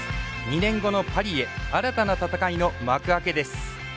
２年後のパリへ新たな戦いの幕開けです。